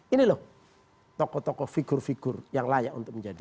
ini loh tokoh tokoh figur figur yang layak untuk menjadi